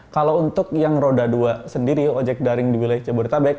kalau untuk yang roda dua sendiri ojek daring di wilayah jabodetabek